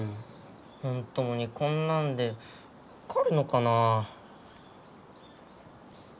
本当にこんなんでわかるのかな？